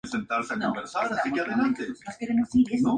La casa matriz de entonces todavía puede ser visitada en el mismo lugar.